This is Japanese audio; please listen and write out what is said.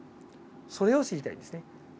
それを知りたいですね。